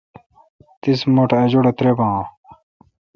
تیس مہ ٹھ ا جوڑہ ترےبان آں